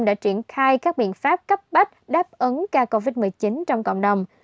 đã triển khai các biện pháp cấp bách đáp ứng ca covid một mươi chín trong cộng đồng